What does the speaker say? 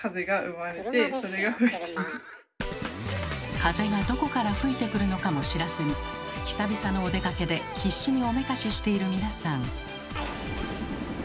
風がどこから吹いてくるのかも知らずに久々のお出かけで必死におめかししている皆さん。